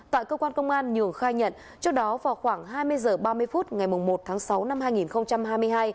tại cơ quan công an nhường khai nhận trước đó vào khoảng hai mươi h ba mươi phút ngày một tháng sáu năm hai nghìn hai mươi hai